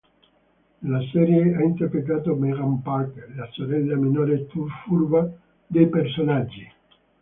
Nella serie, ha interpretato Megan Parker, la sorella minore furba dei personaggi.